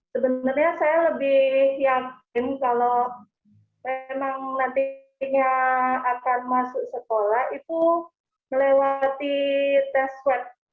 sebenarnya saya lebih yakin kalau memang nantinya akan masuk sekolah itu melewati tes swab